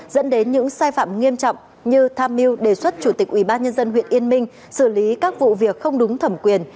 dẫn đến những sai phạm nghiêm trọng như tham mưu đề xuất chủ tịch ubnd huyện yên minh xử lý các vụ việc không đúng thẩm quyền